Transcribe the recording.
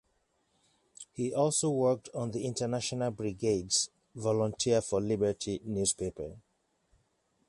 He also worked on the International Brigades "Volunteer for Liberty" newspaper.